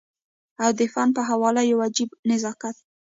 او د فن په حواله يو عجيبه نزاکت